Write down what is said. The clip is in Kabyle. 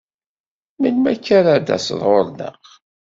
Melmi akka ara d-taseḍ ɣur-neɣ?